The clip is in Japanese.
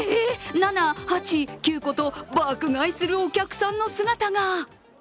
７、８、９個と爆買いするお客さんの姿が。